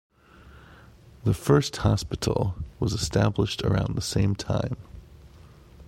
The first hospital was established around the same time.